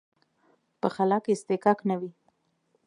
په خلا کې اصطکاک نه وي.